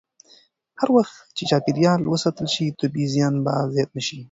هر وخت چې چاپېریال وساتل شي، طبیعي زیان به زیات نه شي.